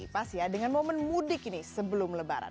pas ya dengan momen mudik ini sebelum lebaran